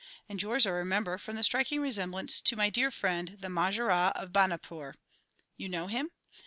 And yours I remember from the striking resemblance to my dear friend, the Maharajah of Bahanapúr you know him?